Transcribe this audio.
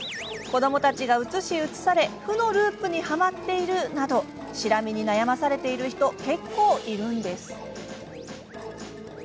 子どもたちがうつし、うつされ負のループにはまっている、などシラミに悩まされている人結構いるんです。